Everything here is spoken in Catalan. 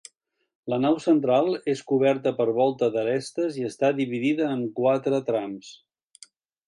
La nau central és coberta per volta d'arestes i està dividida en quatre trams.